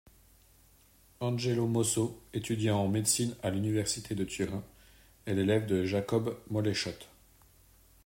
Angelo Mosso, étudiant en médecine à l'Université de Turin, est l'élève de Jacob Moleschott.